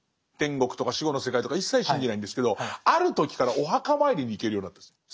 天国とか死後の世界とか一切信じないんですけどある時からお墓参りに行けるようになったんです。